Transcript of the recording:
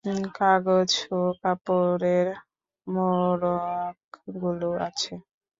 কাগজ ও কাপড়ের মোড়াকগুলো আছে।